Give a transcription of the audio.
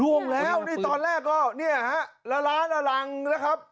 ล่วงแล้วนี่ตอนแรกก็เนี่ยฮะละล้าละลังนะครับ